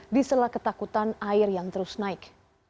di sela ketakutan air yang terus naik